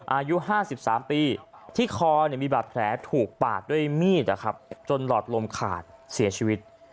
อายุ๕๓ปีที่คอมีบาดแผลถูกปาดด้วยมีดจนหลอดลมขาดเสียชีวิต